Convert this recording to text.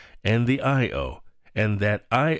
and the I.O., and that I.